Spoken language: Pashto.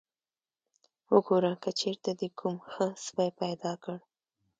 وګوره که چېرته دې کوم ښه سپی پیدا کړ.